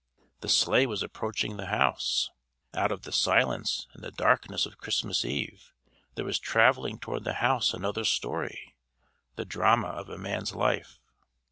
The sleigh was approaching the house. Out of the silence and the darkness of Christmas Eve there was travelling toward the house another story the drama of a man's life.